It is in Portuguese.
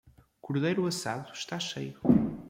Cordeiro assado está cheio